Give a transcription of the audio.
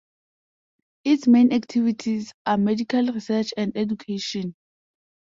Its main activities are medical research and education.